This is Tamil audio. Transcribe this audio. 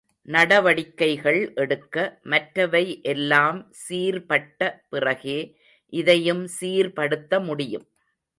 நடவடிக்கைகள் எடுக்க மற்றவை எல்லாம் சீர்பட்ட பிறகே இதையும் சீர்படுத்த முடியும்.